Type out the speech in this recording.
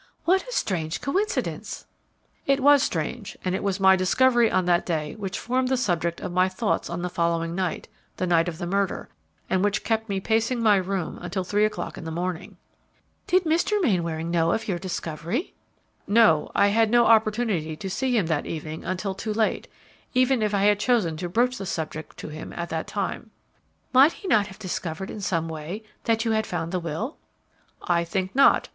"What a strange coincidence!" "It was strange; and it was my discovery on that day which formed the subject of my thoughts on the following night, the night of the murder, and which kept me pacing my room until three o'clock in the morning." "Did Mr. Mainwaring know of your discovery?" "No; I had no opportunity to see him that evening until too late, even if I had chosen to broach the subject to him at that time." "Might he not have discovered in some way that you had found the will?" "I think not.